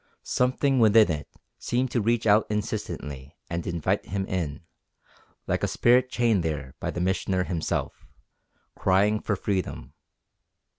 Something within it seemed to reach out insistently and invite him in, like a spirit chained there by the Missioner himself, crying for freedom.